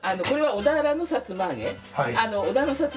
これは小田原のさつま揚げ。